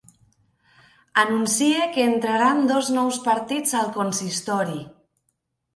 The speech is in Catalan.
Anuncie que entraran dos nous partits al consistori.